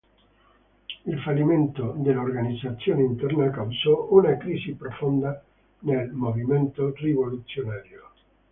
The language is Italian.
Il fallimento dell’Organizzazione interna causò una crisi profonda nel movimento rivoluzionario.